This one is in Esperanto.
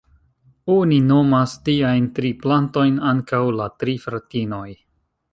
Oni nomas tiajn tri plantojn ankaŭ ""la tri fratinoj"".